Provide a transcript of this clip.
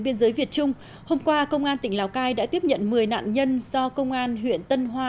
biên giới việt trung hôm qua công an tỉnh lào cai đã tiếp nhận một mươi nạn nhân do công an huyện tân hoa